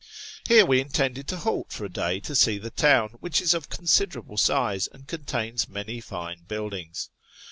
Here we intended to halt for a day to see the town, which is of considerable size and contains many fine buildings.